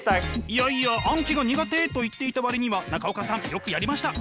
いやいや「暗記が苦手」と言っていた割には中岡さんよくやりました。